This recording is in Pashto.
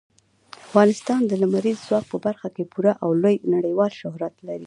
افغانستان د لمریز ځواک په برخه کې پوره او لوی نړیوال شهرت لري.